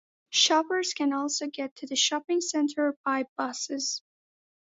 Shoppers can also get to the shopping centre by buses.